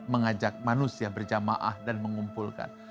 mengajak manusia berjamaah dan mengumpulkan